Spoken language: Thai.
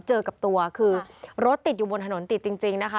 เจอกับตัวคือรถติดอยู่บนถนนติดจริงนะคะ